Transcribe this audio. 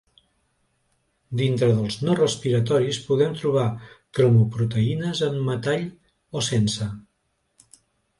Dintre dels no respiratoris podem trobar cromoproteïnes amb metall o sense.